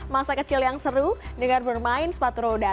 masa kecil yang seru dengan bermain sepatu roda